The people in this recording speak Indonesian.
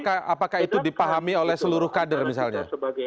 apakah itu dipahami oleh seluruh kader misalnya